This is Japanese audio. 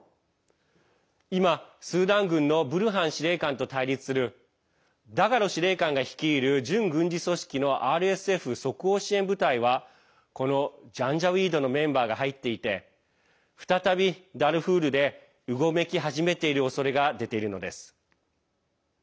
今、スーダン軍のブルハン司令官と対立するダガロ司令官が率いる準軍事組織のＲＳＦ＝即応支援部隊はこのジャンジャウィードのメンバーが入っていて再びダルフールでうごめき始めているおそれが出ているのです。